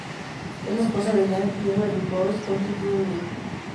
Es la esposa de Jean-Pierre Dubois, con quien tiene un hijo.